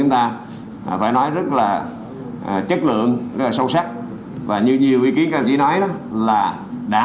chúng ta phải nói rất là chất lượng rất là sâu sắc và như nhiều ý kiến các anh chỉ nói đó là đã